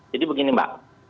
jadi begini mbak